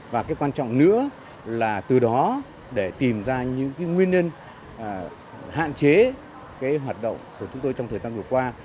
và cái quan trọng nữa là từ đó để tìm ra những nguyên nhân hạn chế hoạt động của chúng tôi trong thời gian vừa qua